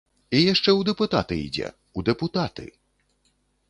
І яшчэ ў дэпутаты ідзе, у дэпутаты.